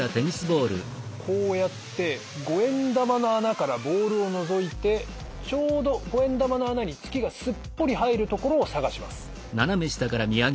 こうやって５円玉の穴からボールをのぞいてちょうど５円玉の穴に月がすっぽり入るところを探します。